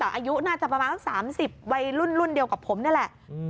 แต่อายุน่าจะประมาณสัก๓๐วัยรุ่นรุ่นเดียวกับผมนี่แหละ